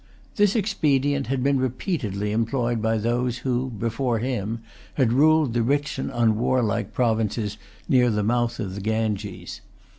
This expedient had been repeatedly employed by those who, before him, had ruled the rich and unwarlike provinces near the mouth of the Ganges.